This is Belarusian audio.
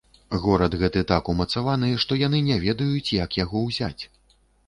Горад гэты так умацаваны, што яны не ведаюць, як яго ўзяць.